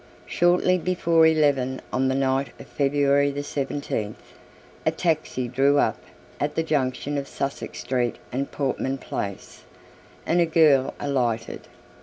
Shortly before eleven on the night of February 17th, a taxi drew up at the junction of Sussex Street and Portman Place, and a girl alighted.